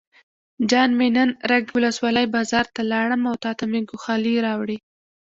جان مې نن رګ ولسوالۍ بازار ته لاړم او تاته مې ګوښالي راوړې.